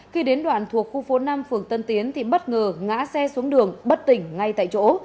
khi đến đoạn thuộc khu phố năm phường tân tiến thì bất ngờ ngã xe xuống đường bất tỉnh ngay tại chỗ